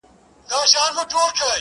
o څه وکړمه لاس کي مي هيڅ څه نه وي.